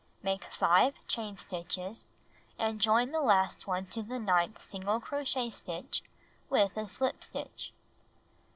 Make 5 chain stitches, and join the last one to the ninth single crochet stitch with a slip stitch.